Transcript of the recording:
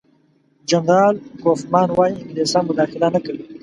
جنرال کوفمان وايي انګلیسان مداخله نه کوي.